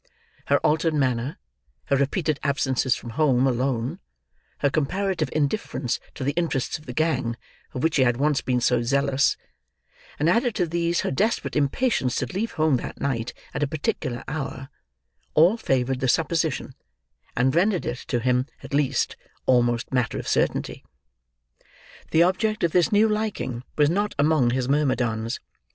Her altered manner, her repeated absences from home alone, her comparative indifference to the interests of the gang for which she had once been so zealous, and, added to these, her desperate impatience to leave home that night at a particular hour, all favoured the supposition, and rendered it, to him at least, almost matter of certainty. The object of this new liking was not among his myrmidons.